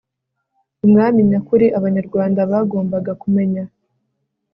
umwami nyakuri, abanyarwanda bagombaga kumenya